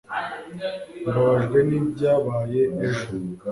mbabajwe nibyabaye ejo